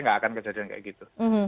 saya gak akan kejadian seperti itu